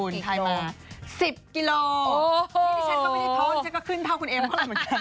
นี่นี่ฉันก็ไม่ใช่ท้องฉันก็ขึ้นเท่าคุณเอ็มเหมือนกัน